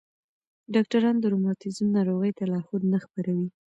ډاکټران د روماتیزم ناروغۍ ته لارښود نه خپروي.